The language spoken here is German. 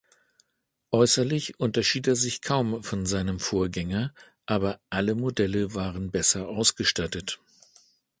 Äußerlich unterschied er sich kaum von seinem Vorgänger, aber alle Modelle waren besser ausgestattet.